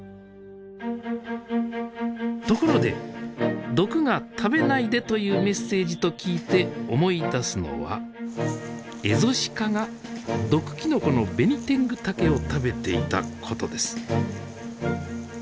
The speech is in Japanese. ところで毒が「食べないで」というメッセージと聞いて思い出すのはエゾシカが毒きのこのベニテングタケを食べていたことです。